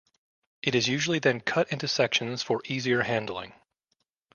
It is usually then cut into sections for easier handling.